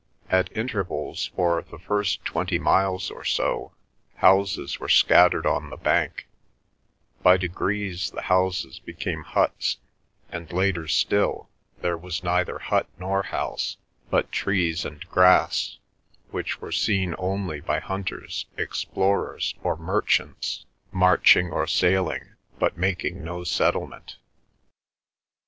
At intervals for the first twenty miles or so houses were scattered on the bank; by degrees the houses became huts, and, later still, there was neither hut nor house, but trees and grass, which were seen only by hunters, explorers, or merchants, marching or sailing, but making no settlement.